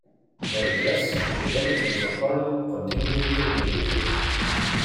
Nevertheless, the denizens of Harlem continue with their iniquity.